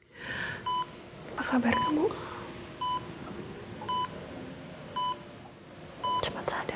perasaannya tahu kamu sekarang atau kamu ingin bernee di desa the